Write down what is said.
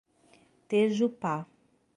Tejupá